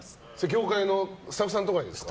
業界のスタッフさんとかにですか？